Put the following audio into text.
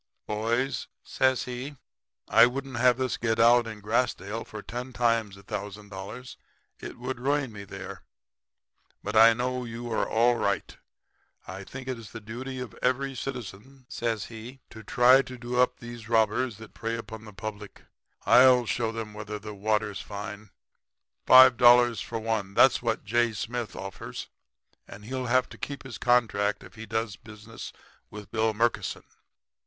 "'Boys,' says he, 'I wouldn't have this to get out in Grassdale for ten times a thousand dollars. It would ruin me there. But I know you all are all right. I think it's the duty of every citizen,' says he, 'to try to do up these robbers that prey upon the public. I'll show 'em whether the water's fine. Five dollars for one that's what J. Smith offers, and he'll have to keep his contract if he does business with Bill Murkison.'